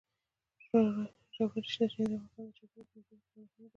ژورې سرچینې د افغانستان د چاپیریال د مدیریت لپاره مهم دي.